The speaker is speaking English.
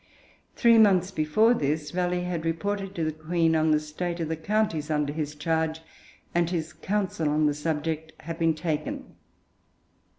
Three months before this, Raleigh had reported to the Queen on the state of the counties under his charge, and his counsel on the subject had been taken.